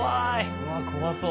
うわ怖そう。